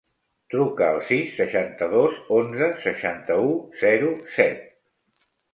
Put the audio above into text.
Truca al sis, seixanta-dos, onze, seixanta-u, zero, set.